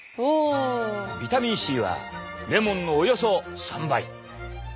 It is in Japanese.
ビタミンＣはレモンのおよそ３倍。